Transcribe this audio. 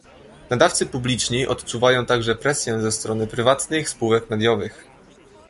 Nadawcy publiczni odczuwają także presję ze strony prywatnych spółek mediowych